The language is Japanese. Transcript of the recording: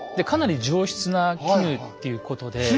かなり上質な絹っていうことで。